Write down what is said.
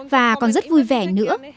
và còn rất vui vẻ nữa